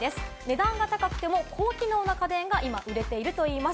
値段が高くても高機能な家電が売れているといいます。